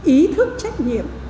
ý thức trách nhiệm